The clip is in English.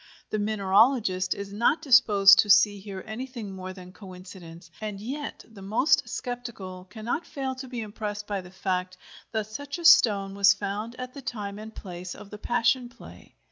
The mineralogist is not disposed to see here anything more than coincidence, and yet the most sceptical cannot fail to be impressed by the fact that such a stone was found at the time and place of the Passion Play.